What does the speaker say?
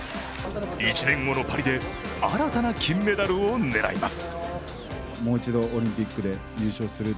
１年後のパリで新たな金メダルを狙います。